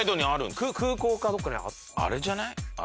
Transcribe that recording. あれじゃない？